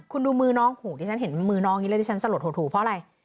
คุณดูมือน้องหูที่ฉันเห็นมือน้องนี้แล้วที่ฉันสะโหลดถูกถูกเพราะอะไร